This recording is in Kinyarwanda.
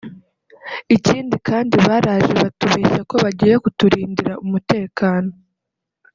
Ikindi kandi baraje batubeshya ko bagiye kuturindira umutekano